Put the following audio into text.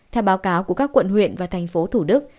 theo báo cáo của các quận huyện và thành phố thủ đức